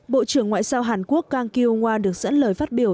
bộ trưởng ngoại giao hàn quốc kang kyung hwa được dẫn lời phát biểu